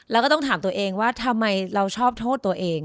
แล้วก็ต้องถามตัวเองว่าทำไมเราชอบโทษตัวเอง